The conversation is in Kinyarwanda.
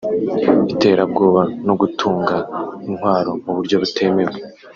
iterabwoba no gutunga intwaro mu buryo butemewe